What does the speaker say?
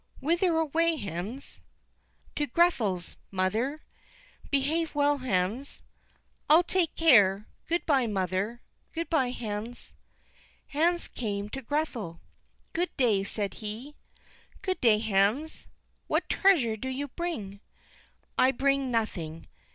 "Whither away, Hans?" "To Grethel's, mother." "Behave well, Hans." "I'll take care; good by, mother." "Good by, Hans." Hans came to Grethel. "Good day," said he. "Good day, Hans. What treasure do you bring?" "I bring nothing.